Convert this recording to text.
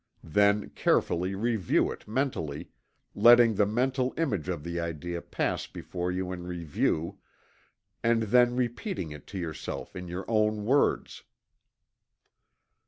Then carefully review it mentally, letting the mental image of the idea pass before you in review, and then repeating it to yourself in your own words.